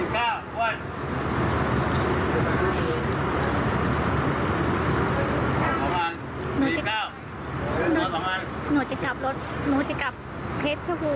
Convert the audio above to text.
ตอนนี้แหละไม่ได้รถพูด